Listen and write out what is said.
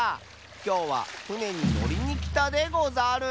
きょうはふねにのりにきたでござる。